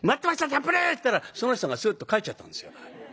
たっぷり！」って言ったらその人がスーっと帰っちゃったんですよ。